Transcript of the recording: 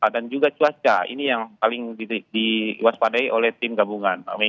dan juga cuaca ini yang paling diwaspadai oleh tim gabungan